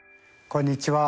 こんにちは。